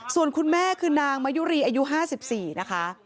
ส่วนคุณแม่คือนางมายุรีอายุ๕๔นะคะ